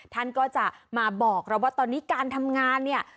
ท่านก็จะมาบอกเราว่าตอนนี้การทำงานเนี่ย